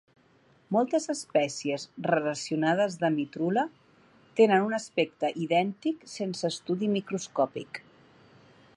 Moltes espècies relacionades de "Mitrula" tenen un aspecte idèntic sense estudi microscòpic.